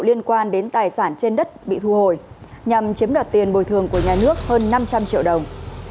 liên quan đến tài sản trên đất bị thu hồi nhằm chiếm đoạt tiền bồi thường của nhà nước hơn năm trăm linh triệu đồng